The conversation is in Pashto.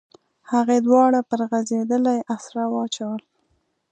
هغې دواړه پر غځېدلې اسره واچول.